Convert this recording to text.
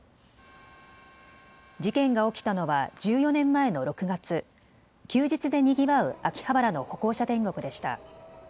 事件が起きたのは１４年前の６月、休日でにぎわう秋葉原の歩行者天国でした。